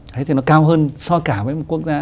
thế thì nó cao hơn so với cả một quốc gia